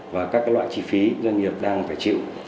và các loại chi phí doanh nghiệp đang phải chịu